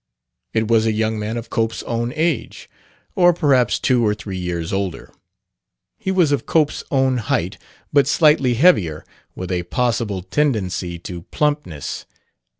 It was a young man of Cope's own age or perhaps two or three years older. He was of Cope's own height, but slightly heavier, with a possible tendency to plumpness.